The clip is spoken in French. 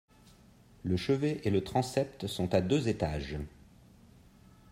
Le chevet et le transept sont à deux étages.